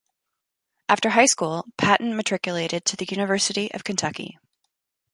After high school, Patton matriculated to the University of Kentucky.